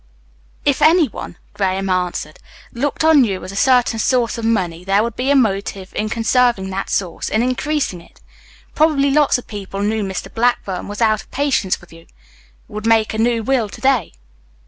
"If any one," Graham answered, "looked on you as a certain source of money, there would be a motive in conserving that source, in increasing it. Probably lots of people knew Mr. Blackburn was out of patience with you; would make a new will to day."